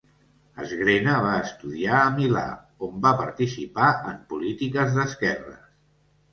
Sgrena va estudiar a Milà, on va participar en polítiques d'esquerres.